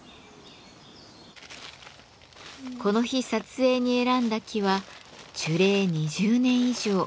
この日撮影に選んだ木は樹齢２０年以上。